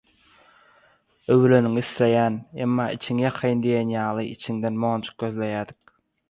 Öwüleniňi isleýäň, emma içiňi ýakaýyn diýen ýaly,... içinden monjuk gözleýädik.